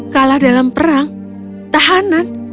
kalah dalam perang tahanan